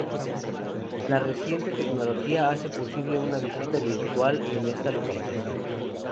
La reciente tecnología hace posible una visita virtual en esta localización.